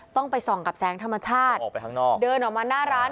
ต้องไปส่องกับแสงธรรมชาติออกไปข้างนอกเดินออกมาหน้าร้าน